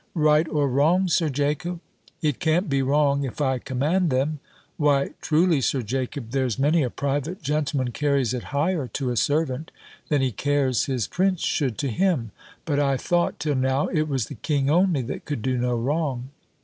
"Right or wrong, Sir Jacob?" "It can't be wrong if I command them." "Why, truly, Sir Jacob, there's many a private gentleman carries it higher to a servant, than he cares his prince should to him; but I thought, till now, it was the king only that could do no wrong."